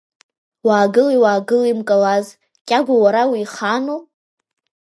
Уаагыли, уаагыли, Мкалаз, Кьагәа уара уихаану?!